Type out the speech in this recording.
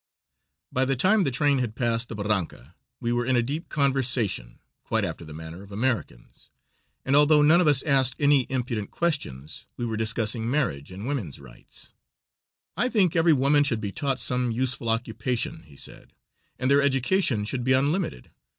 By the time the train had passed the barranca we were in a deep conversation, quite after the manner of Americans, and although none of us asked any impudent questions we were discussing marriage and women's rights. "I think every woman should be taught some useful occupation," he said, "and their education should be unlimited.